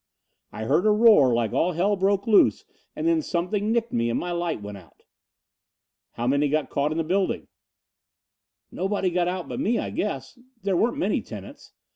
I heard a roar like all Hell broke loose and then something nicked me and my light went out." "How many got caught in the building?" "Nobody got out but me, I guess. There weren't many tenants.